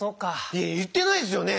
いやいってないですよね！